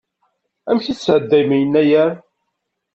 Amek i tesɛeddayem Yennayer?